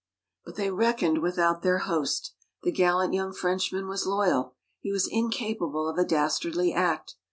But they reckoned without their host. The gallant young Frenchman was loyal. He was incapable of a dastardly act.